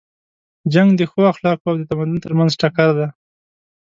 جنګ د ښو اخلاقو او د تمدن تر منځ ټکر دی.